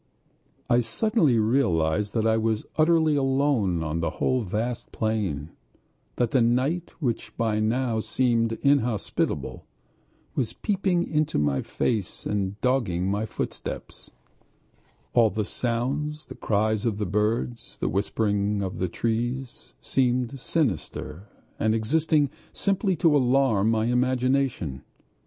I suddenly realized that I was utterly alone on the whole vast plain; that the night, which by now seemed inhospitable, was peeping into my face and dogging my footsteps; all the sounds, the cries of the birds, the whisperings of the trees, seemed sinister, and existing simply to alarm my imagination.